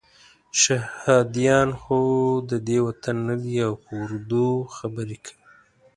شهادیان خو ددې وطن نه دي او په اردو خبرې کوي.